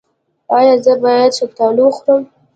ایا زه باید شفتالو وخورم؟